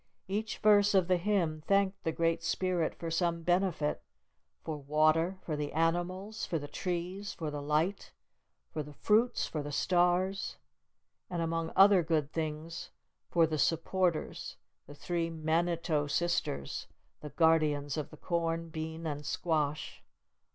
Each verse of the hymn thanked the Great Spirit for some benefit, for water, for the animals, for the trees, for the light, for the fruits, for the stars, and among other good things, for the "Supporters," the three Manito sisters, the guardians of the Corn, Bean, and Squash.